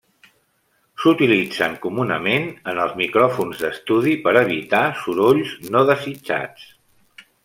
S'utilitzen comunament en els micròfons d'estudi per evitar sorolls no desitjats.